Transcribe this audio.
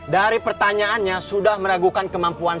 dari pertanyaannya sudah meragukan kemampuan